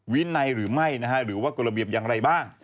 วินัยหรือไม่หรือว่ากฎระเบียบอย่างไรบ้าง